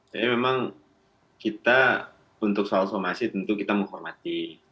jadi memang kita untuk soal somasi tentu kita menghormati